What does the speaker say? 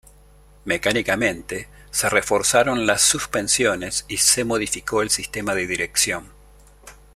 Mecánicamente, se reforzaron las suspensiones y se modificó el sistema de dirección.